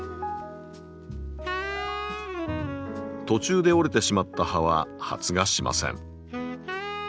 途中で折れてしまった葉は発芽しません。